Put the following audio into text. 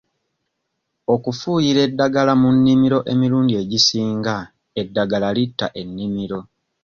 Okufuuyira eddagala mu nimiro emirundi egisinga eddagala litta enimiro.